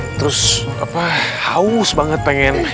g yup ara bengak